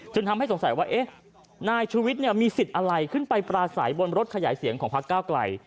ทำให้สงสัยว่านายชูวิทย์มีสิทธิ์อะไรขึ้นไปปราศัยบนรถขยายเสียงของพักเก้าไกล